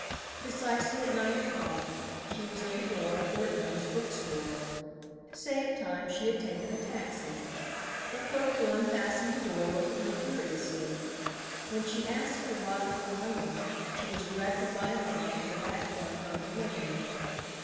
Precisely at nine o'clock she was at the door of Burtnoe's Book Store. To save time she had taken a taxi. The clerk who unfastened the door looked at her curiously. When she asked for Roderick Vining, she was directed by a nod to the back corner of the room.